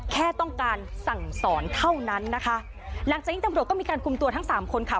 แค่ต้องการสั่งสอนเท่านั้นนะคะหลังจากนี้ตำรวจก็มีการคุมตัวทั้งสามคนค่ะ